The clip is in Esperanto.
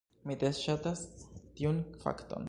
Mi tre ŝatas tiun fakton.